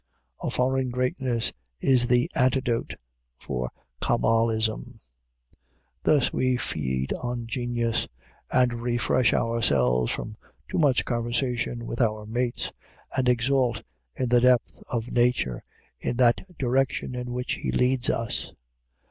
A foreign greatness is the antidote for cabalism. Thus we feed on genius, and refresh ourselves from too much conversation with our mates, and exult in the depth of nature in that direction in which he leads us.